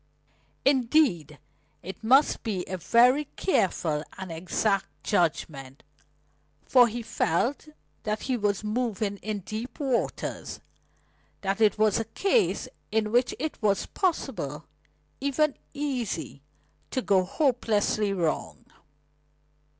Indeed, it must be a very careful and exact judgment, for he felt that he was moving in deep waters; that it was a case in which it was possible, even easy, to go hopelessly wrong.